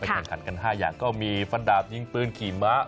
ไปสนุกชนิดกันห้าอย่างก็มีฟรรดายิงปืนขี่ม้า